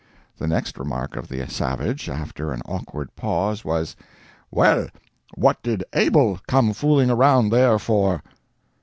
The next remark of the savage, after an awkward pause, was: "Well, what did Abel come fooling around there for?"